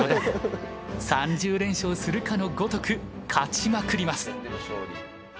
３０連勝するかのごとく勝ちまくります。